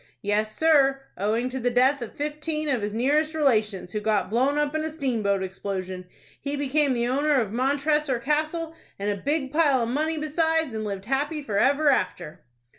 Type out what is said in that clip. "Yes, sir; owing to the death of fifteen of his nearest relations, who got blown up in a steamboat explosion, he became the owner of Montressor Castle, and a big pile of money besides, and lived happy forever after."